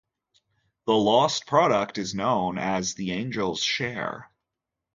The lost product is known as the angel's share.